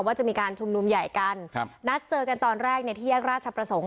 ว่าจะมีการชุมนุมใหญ่กันครับนัดเจอกันตอนแรกเนี่ยที่แยกราชประสงค์